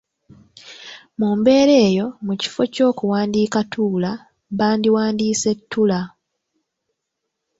Mu mbeera eyo, mu kifo ky’okuwandiika ‘Tuula’ bandiwandiise ‘Ttula’.